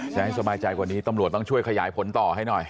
จะให้สบายใจกว่านี้ตำรวจต้องช่วยขยายผลต่อให้หน่อย